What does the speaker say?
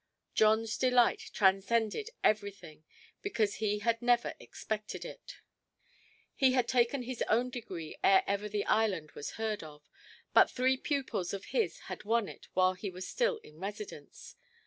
Johnʼs delight transcended everything, because he had never expected it. He had taken his own degree ere ever the Ireland was heard of; but three pupils of his had won it while he was still in residence.